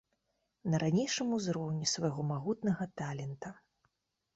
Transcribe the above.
На ранейшым узроўні свайго магутнага талента.